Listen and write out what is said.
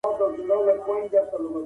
دستي راغلم چي ستاسو سره مېله وکړم.